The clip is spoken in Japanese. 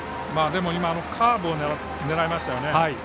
今カーブを狙いましたよね。